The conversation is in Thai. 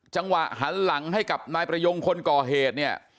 จังหวะหันหลังให้กับนายประยงคนก่อเหตุเนี่ย